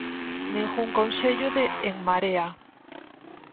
Ningún concello de En Marea.